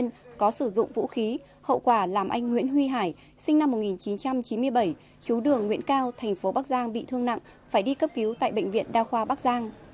nguyễn huy hải sinh năm một nghìn chín trăm chín mươi bảy chú đường nguyễn cao thành phố bắc giang bị thương nặng phải đi cấp cứu tại bệnh viện đao khoa bắc giang